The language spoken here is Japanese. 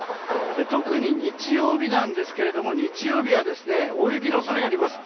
特に日曜日ですけども日曜日は大雪の恐れがあります。